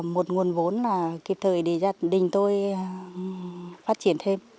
một nguồn vốn là kịp thời để gia đình tôi phát triển thêm